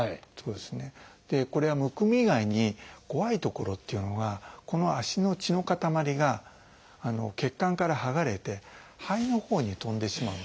これはむくみ以外に怖いところっていうのがこの足の血の塊が血管から剥がれて肺のほうに飛んでしまうんですね。